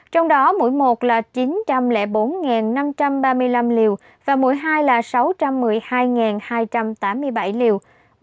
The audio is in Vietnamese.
trong đó mỗi một là chín trăm linh bốn năm trăm ba mươi năm liều và mỗi hai là sáu trăm một mươi hai hai trăm tám mươi bảy liều